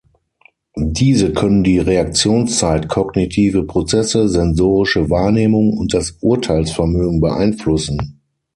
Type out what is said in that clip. Diese können die Reaktionszeit, kognitive Prozesse, sensorische Wahrnehmung und das Urteilsvermögen beeinflussen.